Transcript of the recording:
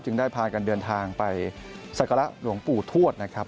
ได้พากันเดินทางไปศักระหลวงปู่ทวดนะครับ